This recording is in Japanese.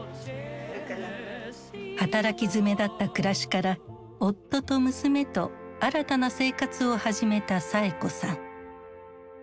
働きづめだった暮らしから夫と娘と新たな生活を始めたサエ子さん。